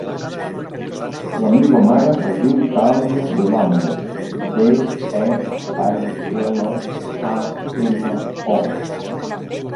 La meva mare es diu Thàlia De Lamo: de, e, espai, ela, a, ema, o.